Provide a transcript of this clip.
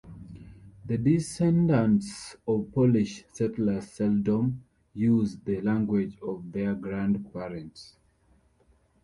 The descendants of Polish settlers seldom use the language of their grandparents.